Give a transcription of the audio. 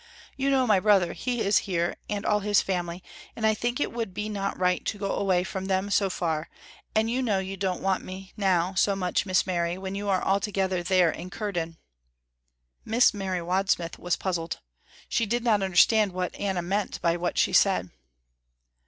You know my brother he is here and all his family, and I think it would be not right to go away from them so far, and you know you don't want me now so much Miss Mary when you are all together there in Curden." Miss Mary Wadsmith was puzzled. She did not understand what Anna meant by what she said.